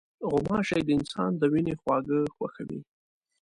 غوماشې د انسان د وینې خواږه خوښوي.